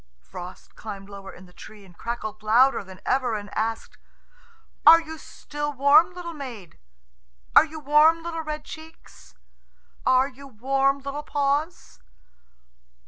Frost climbed lower in the tree, and crackled louder than ever, and asked, "Are you still warm, little maid? Are you warm, little red cheeks? Are you warm, little paws?"